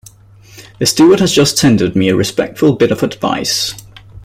The steward has just tendered me a respectful bit of advice.